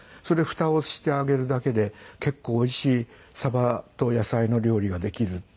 それで蓋をしてあげるだけで結構おいしいサバと野菜の料理ができる。